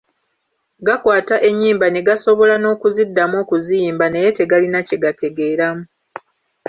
Gakwata ennyimba ne gasobola n'okuziddamu okuziyimba, naye tegalina kye gategeeramu.